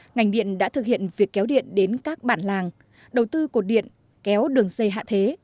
ngành điện đã thực hiện việc kéo điện đến các bản làng đầu tư cột điện kéo đường dây hạ thế